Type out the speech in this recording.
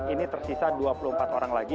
ini tersisa dua puluh empat orang lagi